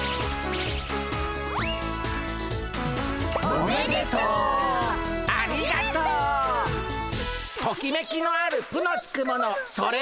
「おめでとう」「ありがとう」「トキメキのある『ぷ』のつくものそれは」。